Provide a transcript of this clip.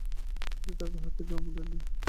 তিনি কাহাকে জন্মও দেন না।